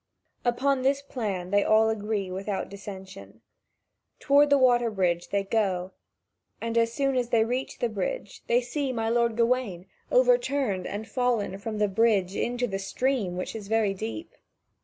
Upon this plan they all agree without dissension. Toward the water bridge they go, and as soon as they reach the bridge, they see my lord Gawain overturned and fallen from the bridge into the stream which is very deep.